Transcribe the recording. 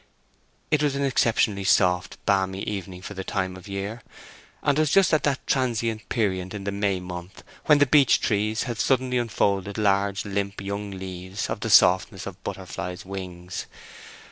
It was an exceptionally soft, balmy evening for the time of year, which was just that transient period in the May month when beech trees have suddenly unfolded large limp young leaves of the softness of butterflies' wings.